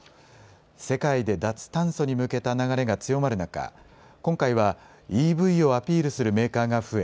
世界で脱炭素に向けた流れが強まる中、今回はＥＶをアピールするメーカーが増え